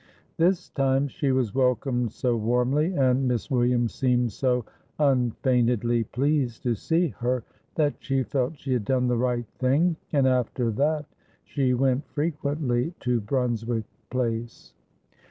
This time she was welcomed so warmly, and Miss Williams seemed so unfeignedly pleased to see her, that she felt she had done the right thing, and after that she went frequently to Brunswick Place.